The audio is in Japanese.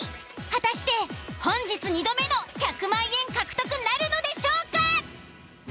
果たして本日２度目の１００万円獲得なるのでしょうか！？